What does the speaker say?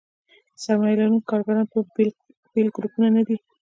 سرمایه لرونکي کارګران بېل ګروپونه نه دي.